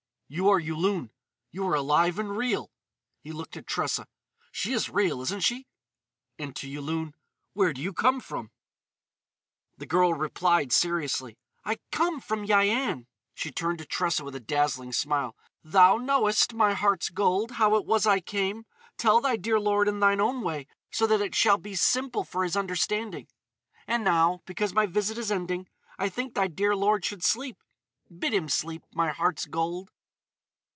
"You are Yulun. You are alive and real——" He looked at Tressa: "She is real, isn't she?" And, to Yulun: "Where do you come from?" The girl replied seriously: "I come from Yian." She turned to Tressa with a dazzling smile: "Thou knowest, my heart's gold, how it was I came. Tell thy dear lord in thine own way, so that it shall be simple for his understanding.... And now—because my visit is ending—I think thy dear lord should sleep. Bid him sleep, my heart's gold!"